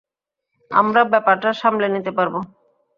আমরা ব্যাপারটা সামলে নিতে পারব।